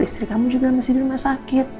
istri kamu juga masih di rumah sakit